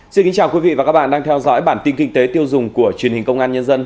chào mừng quý vị đến với bản tin kinh tế tiêu dùng của truyền hình công an nhân dân